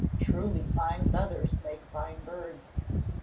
Truly fine feathers make fine birds."